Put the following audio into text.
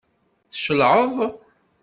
Tcelɛeḍ?